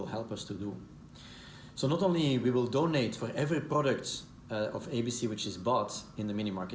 jadi kami tidak hanya akan memberikan uang untuk setiap produk abc yang dibeli di minimarket